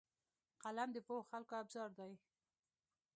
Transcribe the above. قلم د پوهو خلکو ابزار دی